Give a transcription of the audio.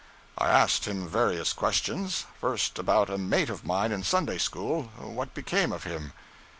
I asked him various questions; first about a mate of mine in Sunday school what became of him?